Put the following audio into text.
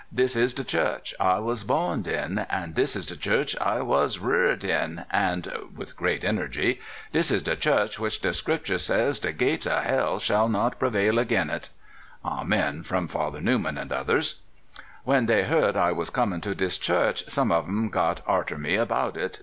Dis is de Church I was borned (245) 246 CALIFORNIA SKETCHES. in, an' dis is de Church I was rarred in, an' [with great energy] dis is de Church which de Scripter says de gates uv hell shall not prevail agin it! ["Amen! " from Father Newman and others.] When dey heerd I was comin' to dis Church, some uv 'em got arter me 'bout it.